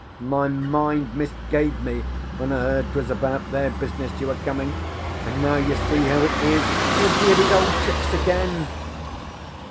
My mind misgave me when I heard 'twas about their business you were coming; and now you see how it is; he'll be at his old tricks again!"